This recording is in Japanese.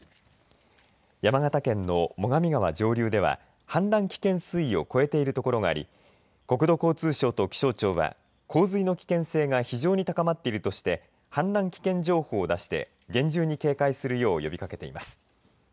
山形県の最上川上流では氾濫危険水位を超えている所があり国土交通省と気象庁は洪水の危険性が非常に高まっているとして氾濫危険情報を出して厳重に警戒するよう呼びかけています。